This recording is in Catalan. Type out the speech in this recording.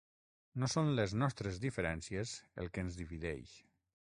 No són les nostres diferències el que ens divideix.